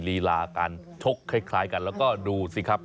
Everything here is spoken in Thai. ลีลาการชกคล้ายกันแล้วก็ดูสิครับ